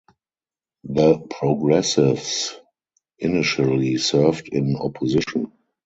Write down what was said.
The Progressives initially served in opposition.